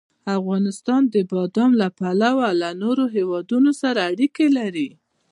افغانستان د بادام له پلوه له نورو هېوادونو سره اړیکې لري.